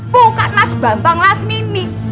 bukan mas bambang lasmini